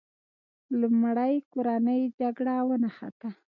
لومړی کورنۍ جګړه ونښته.